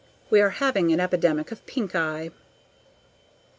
We are having an epidemic of pinkeye.